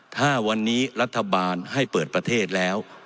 ถ้าวันนี้รัฐบาลให้เปิดประเทศแล้ว